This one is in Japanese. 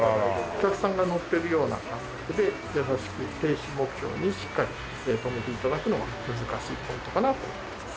お客さんが乗ってるような感覚で優しく停止目標にしっかり止めて頂くのが難しいポイントかなと思います。